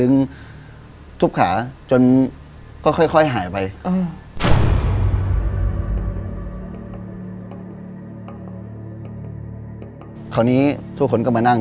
เอาไว้ไว้ตรงไหน